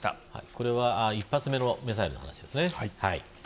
これは１発目のミサイルの話です。